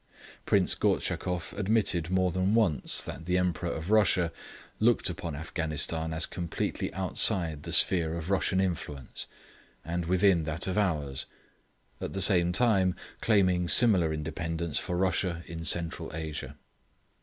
Prince Gortschakoff admitted more than once that the Emperor of Russia looked upon Afghanistan as completely outside the sphere of Russian influence, and within that of ours; at the same time, claiming similar independence for Russia in Central Asia.